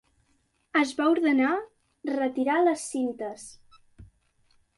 Es va ordenar retirar les cintes.